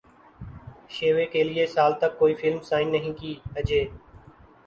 شیوے کیلئے سال تک کوئی فلم سائن نہیں کی اجے